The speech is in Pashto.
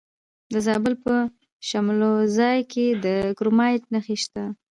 د زابل په شمولزای کې د کرومایټ نښې شته.